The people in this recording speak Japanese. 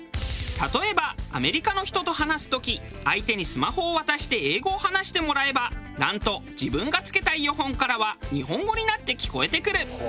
例えばアメリカの人と話す時相手にスマホを渡して英語を話してもらえばなんと自分がつけたイヤホンからは日本語になって聞こえてくる。